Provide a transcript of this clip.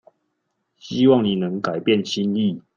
希望你能改變心意